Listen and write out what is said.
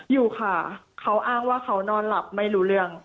อยู่ค่ะเขาอ้างว่าเขานอนหลับไม่รู้เรื่อง